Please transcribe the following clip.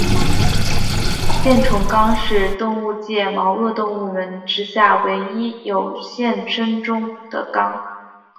箭虫纲是动物界毛颚动物门之下唯一有现生种的纲。